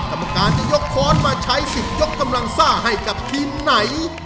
กรรมการจะยกค้อนมาใช้สิทธิ์ยกกำลังซ่าให้กับทีมไหน